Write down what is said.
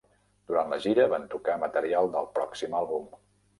Durant la gira van tocar material del pròxim àlbum.